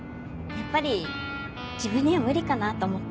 やっぱり自分には無理かなと思って。